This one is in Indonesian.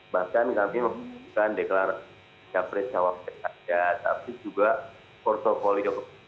bahkan kami bukan deklarasi capres cawap pks tapi juga portofolio pks